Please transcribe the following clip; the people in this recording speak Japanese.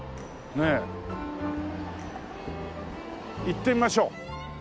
行ってみましょう。